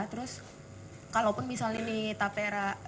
terus kalau pun misalnya ini tapera